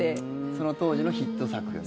その当時のヒット作。